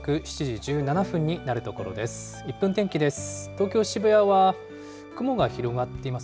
１分天気です。